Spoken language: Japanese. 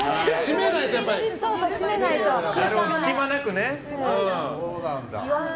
隙間なくね。